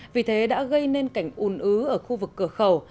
vì thế đã gây nên cảnh un ứ ở khu vực cửa khẩu